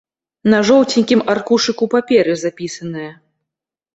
На жоўценькім аркушыку паперы запісаная.